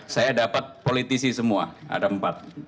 saya dapat politisi semua ada empat